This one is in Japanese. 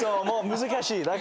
もう難しい。